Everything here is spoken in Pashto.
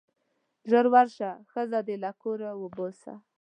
ژر ورشه ښځه دې له کوره وباسه.